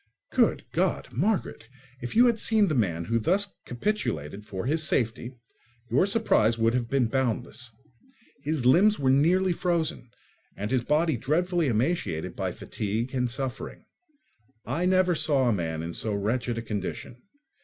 Good God! Margaret, if you had seen the man who thus capitulated for his safety, your surprise would have been boundless. His limbs were nearly frozen, and his body dreadfully emaciated by fatigue and suffering. I never saw a man in so wretched a condition.